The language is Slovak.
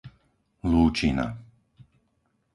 Lúčina